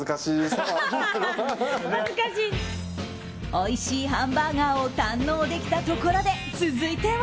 おいしいハンバーガーを堪能できたところで続いては。